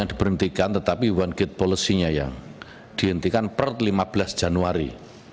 yang diberhentikan tetapi one gate policy nya yang dihentikan per lima belas januari